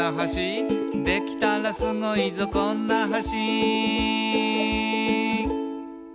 「できたらスゴいぞこんな橋」